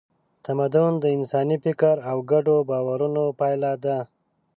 تمدن د انساني فکر او ګډو باورونو پایله ده.